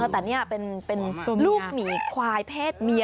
แต่นี่เป็นลูกหมีควายเพศเมีย